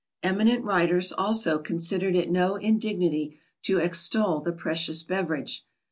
Eminent writers, also, considered it no indignity to extol the precious beverage.